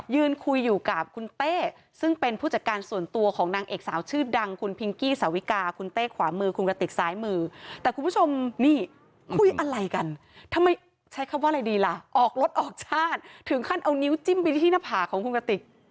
ยืนคุยอยู่กับคุณเต้ซึ่งเป็นผู้จัดการส่วนตัวของนางเอกสาวชื่อดังคุณพิงกี้สาวิกาคุณเต้ขวามือคุณกระติกซ้ายมือแต่คุณผู้ชมนี่คุยอะไรกันทำไมใช้คำว่าอะไรดีล่ะออกรถออกชาติถึงขั้นเอานิ้วจิ้มไปที่หน้าผากของคุณกระติก